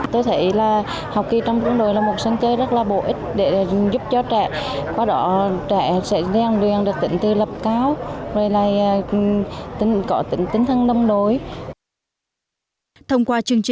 thông qua chương trình giáo dục ý nghĩa này ban tổ chức khoa học mong muốn góp phần